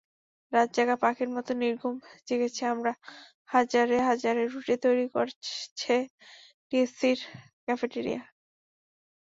রাতজাগা পাখির মতো নির্ঘুম জেগেছি আমরা, হাজারে হাজারে রুটি তৈরি হচ্ছে টিএসসির ক্যাফেটেরিয়ায়।